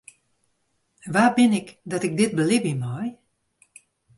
Wa bin ik dat ik dit belibje mei?